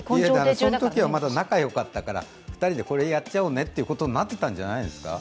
そのときは仲良かったから２人でこれやっちゃおうねってなってたんじゃないですか。